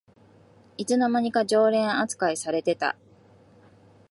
いつの間にか常連あつかいされてた